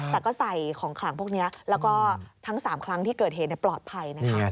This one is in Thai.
แต่ก็ใส่ของขลังพวกนี้แล้วก็ทั้ง๓ครั้งที่เกิดเหตุปลอดภัยนะคะ